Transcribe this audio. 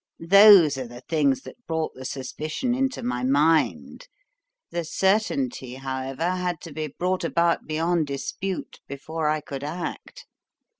Those are the things that brought the suspicion into my mind; the certainty, however, had to be brought about beyond dispute before I could act.